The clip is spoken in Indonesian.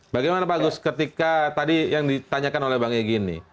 bagaimana pak agus ketika tadi yang ditanyakan oleh bang egy ini